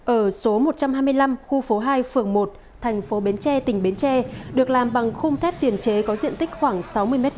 ở số một trăm hai mươi năm khu phố hai phường một thành phố bến tre tỉnh bến tre được làm bằng khung thép tiền chế có diện tích khoảng sáu mươi m hai